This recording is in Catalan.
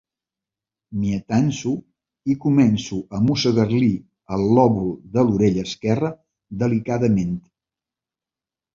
M'hi atanso i començo a mossegar-li el lòbul de l'orella esquerra delicadament.